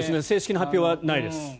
正式な発表はないです。